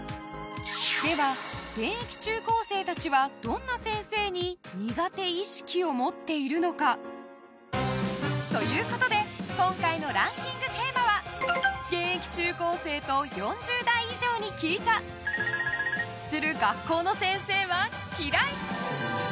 では、現役中高生たちはどんな先生に苦手意識を持っているのか？ということで今回のランキングテーマは現役中高生と４０代以上に聞いた○○する学校の先生は嫌い！